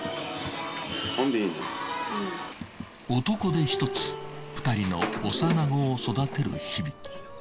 男手一つ２人の幼子を育てる日々。